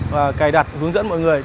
và cài đặt hướng dẫn mọi người